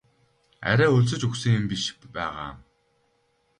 Арай өлсөж үхсэн юм биш байгаа?